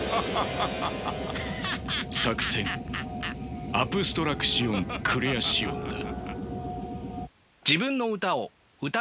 作戦アプストラクシオン・クレアシオンだ。